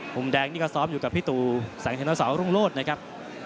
มุมแดงนี่ก็ซ้อมอยู่กับพี่ตูแสงชนสาวรุ่งโลศนะครับ